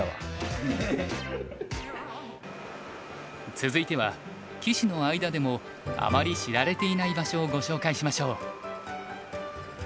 続いては棋士の間でもあまり知られていない場所をご紹介しましょう。